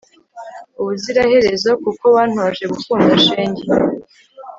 ubuziraherezo, kuko wantoje gukunda shenge